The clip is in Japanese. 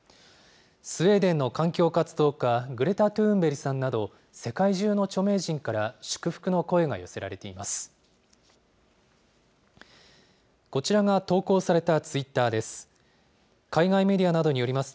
スウェーデンの環境活動家、グレタ・トゥーンベリさんなど、世界中の著名人から祝福の声が寄せられています。